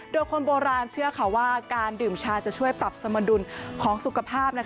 โดยคนโบราณเชื่อว่าการดื่มชาจะช่วยปรับสมดุลของสุขภาพ